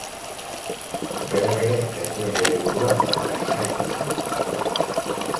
Berak ere ez zuen bere burua ama gisa ikusten.